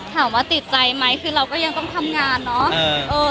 ถามว่าติดใจไหมคือเราก็ยังต้องทำงานเนาะ